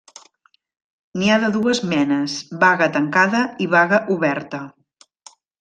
N'hi ha de dues menes: baga tancada i baga oberta.